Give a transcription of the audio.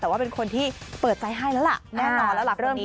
แต่ว่าเป็นคนที่เปิดใจให้แล้วล่ะแน่นอนแล้วล่ะเรื่องนี้